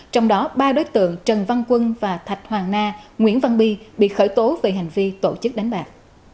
trong đó ba đối tượng trần văn quân và thạch hoàng na nguyễn văn bi bị khởi tố về hành vi tổ chức đánh bạc